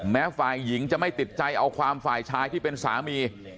แม้ฝ่ายหญิงจะไม่ติดใจเอาความฝ่ายชายที่เป็นสามี